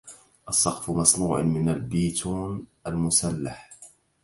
السقف مصنوع من البيتون المسلح.